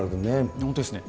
本当ですね。